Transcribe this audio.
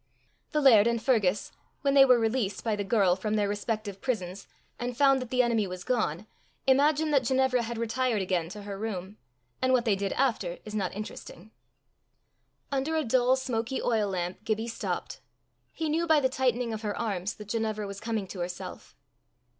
The laird and Fergus, when they were released by the girl from their respective prisons and found that the enemy was gone, imagined that Ginevra had retired again to her room; and what they did after is not interesting. Under a dull smoky oil lamp Gibbie stopped. He knew by the tightening of her arms that Ginevra was coming to herself.